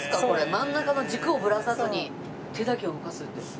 真ん中の軸をブラさずに手だけを動かすんです。